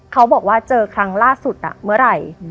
เขาบอกว่าเจอครั้งล่าสุดเมื่อไหร่